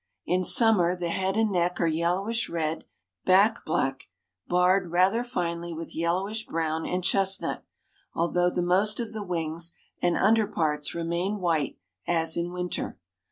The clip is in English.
In summer the head and neck are yellowish red, back black, barred rather finely with yellowish brown and chestnut, although the most of the wings and under parts remain white as in winter.